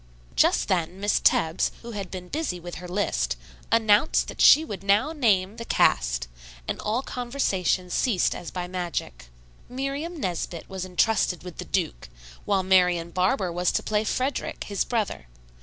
Just then Miss Tebbs, who had been busy with her list, announced that she would now name the cast, and all conversation ceased as by magic. Miriam Nesbit was intrusted with the "Duke," while Marian Barber was to play "Frederick," his brother.